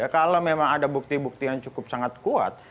kalau memang ada bukti bukti yang cukup sangat kuat